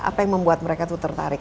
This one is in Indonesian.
apa yang membuat mereka tuh tertarik